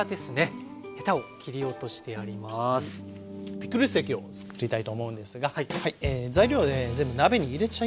ピクルス液をつくりたいと思うんですが材料ね全部鍋に入れちゃいましょう。